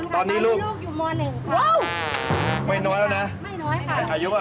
ตอนนี้ลูกว้าวตอนนี้ลูกอยู่มอ๑ครับ